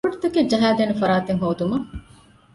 ކަބަޑުތަކެއް ޖަހައިދޭނެ ފަރާތެއް ހޯދުމަށް